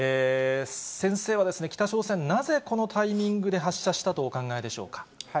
先生はですね、北朝鮮、なぜ、このタイミングで発射したとお考えでしょうか。